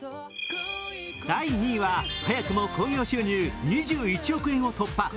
第２位は、早くも興行収入２１億円を突破。